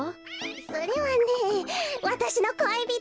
それはねわたしの恋人！